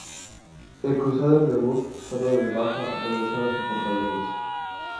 El Crusader de Wood fue dado de baja al regresar a su portaaviones.